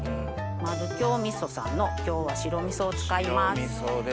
丸共味噌さんの今日は白みそを使います。